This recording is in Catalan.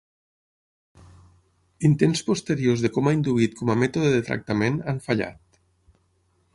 Intents posteriors de coma induït com a mètode de tractament, han fallat.